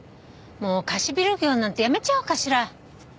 もう貸しビル業なんてやめちゃおうかしら。